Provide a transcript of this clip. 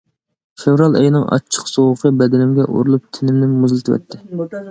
فېۋرال ئېيىنىڭ ئاچچىق سوغۇقى بەدىنىمگە ئۇرۇلۇپ تېنىمنى مۇزلىتىۋەتتى.